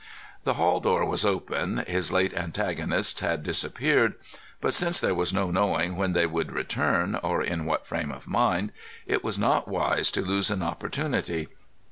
The hall door was open, his late antagonists had disappeared, but since there was no knowing when they would return, or in what frame of mind, it was not wise to lose an opportunity.